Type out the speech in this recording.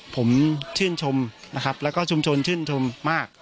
ผมชื่นชมนะครับแล้วก็ชุมชนชื่นชมมาก